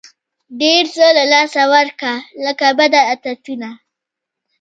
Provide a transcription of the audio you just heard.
ډېر څه له لاسه ورکړه لکه بد عادتونه.